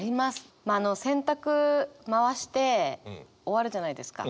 洗濯回して終わるじゃないですか。